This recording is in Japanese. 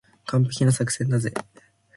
完璧な作戦だぜ。